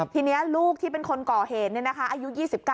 ทีนี้ลูกที่เป็นคนก่อเหตุอายุ๒๙